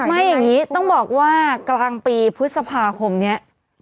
ไม่อย่างนี้ต้องบอกว่ากลางปีพฤษภาคมนี้